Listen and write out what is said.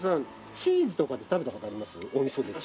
チーズとかで食べた事あります？